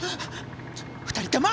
２人とも！